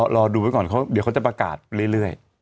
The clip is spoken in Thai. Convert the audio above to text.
รอดูไว้ก่อนเดี๋ยวเขาจะประกาศเรื่อย